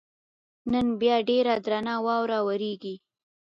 نن بیا ډېره درنه واوره ورېږي.